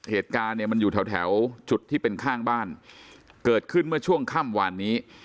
เหตุการณ์เนี่ยมันอยู่แถวแถวจุดที่เป็นข้างบ้านเกิดขึ้นเมื่อช่วงค่ำวานนี้